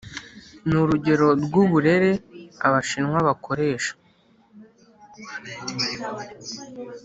ni urugero rw uburebure Abashinwa bakoresha